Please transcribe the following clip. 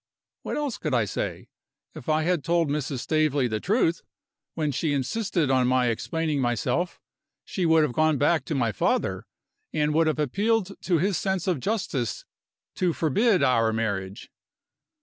What else could I say? If I had told Mrs. Staveley the truth, when she insisted on my explaining myself, she would have gone back to my father, and would have appealed to his sense of justice to forbid our marriage.